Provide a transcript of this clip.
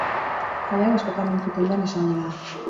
Kalean askotan entzuten den esaldia da.